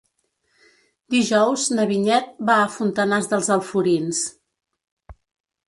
Dijous na Vinyet va a Fontanars dels Alforins.